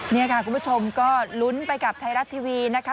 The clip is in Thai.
นี่ค่ะคุณผู้ชมก็ลุ้นไปกับไทยรัฐทีวีนะคะ